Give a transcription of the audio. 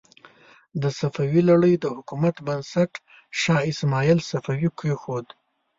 د صفوي لړۍ د حکومت بنسټ شاه اسماعیل صفوي کېښود.